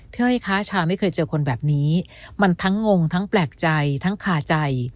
อ้อยคะชาไม่เคยเจอคนแบบนี้มันทั้งงงทั้งแปลกใจทั้งคาใจ